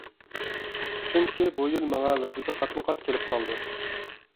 چۈنكى بۇ يىل ماڭا ۋەزىپە قاتمۇقات كېلىپ قالدى.